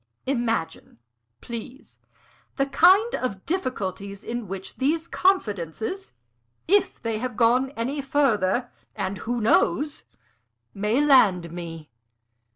"Imagine, please, the kind of difficulties in which these confidences, if they have gone any further and who knows? may land me.